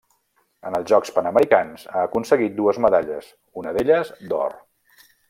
En els Jocs Panamericans ha aconseguit dues medalles, una d'elles d'or.